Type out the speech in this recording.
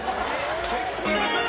結構過ぎましたね。